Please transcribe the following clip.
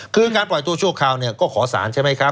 คือการปล่อยตัวชั่วคราวเนี่ยก็ขอสารใช่ไหมครับ